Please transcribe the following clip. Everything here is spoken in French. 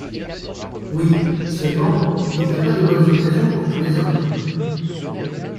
Oui, seulement il n’y a pas de bonnes occasions pour tous les hommes.